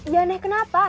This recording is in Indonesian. ya aneh kenapa